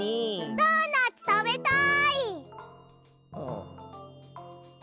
ドーナツたべたい！